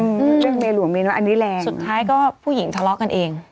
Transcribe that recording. เรียกเมียหลวงเมียน้อยอันนี้แรงสุดท้ายก็ผู้หญิงทะเลาะกันเอง